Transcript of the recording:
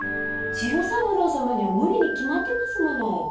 次郎三郎様には無理に決まってますもの。